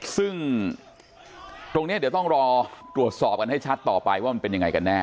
ซึ่งตรงนี้เดี๋ยวต้องรอตรวจสอบกันให้ชัดต่อไปว่ามันเป็นยังไงกันแน่